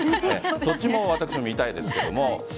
そっちも見たいですけど。